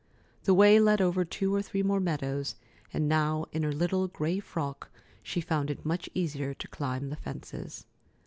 The way led over two or three more meadows, and now in her little gray frock she found it much easier to climb the fences.